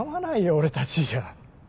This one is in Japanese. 俺たちじゃ。